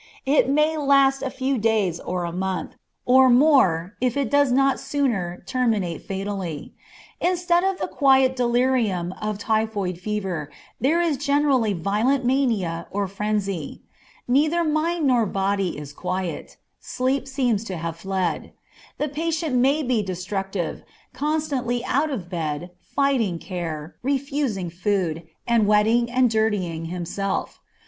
It may last a few days or a month, or more, if it does not sooner terminate fatally. Instead of the quiet delirium of typhoid fever there is generally violent mania or frenzy. Neither mind nor body is quiet; sleep seems to have fled. The patient may be destructive, constantly out of bed, fighting care, refusing food, and wetting and dirtying himself.